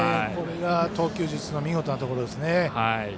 これが投球術の見事なところですね。